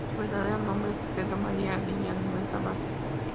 Su verdadero nombre es Pedro María Villanueva Vásquez.